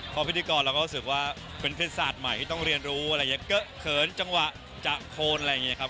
พอพิธีกรเราก็รู้สึกว่าเป็นเพศศาสตร์ใหม่ที่ต้องเรียนรู้อะไรอย่างนี้เกอะเขินจังหวะจะโคนอะไรอย่างนี้ครับ